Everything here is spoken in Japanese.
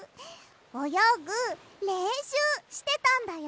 およぐれんしゅうしてたんだよ！